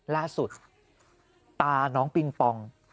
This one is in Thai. ล่าสุดตาน้องปิงปอง